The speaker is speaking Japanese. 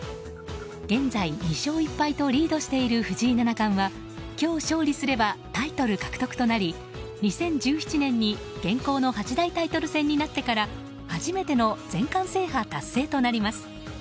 現在、２勝１敗とリードしている藤井七冠は今日勝利すればタイトル獲得となり２０１７年に現行の八大タイトル戦になってから初めての全冠制覇達成となります。